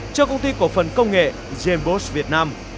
cho công ty cổ phần công nghệ jambos việt nam